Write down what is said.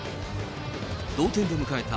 同点で迎えた